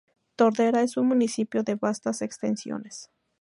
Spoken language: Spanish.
Tordera es un municipio de vastas extensiones.